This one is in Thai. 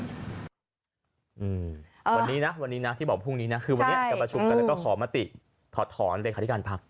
วันนี้นะวันนี้นะที่บอกพรุ่งนี้นะคือวันนี้จะประชุมกันแล้วก็ขอมติถอดถอนเลขาธิการพัก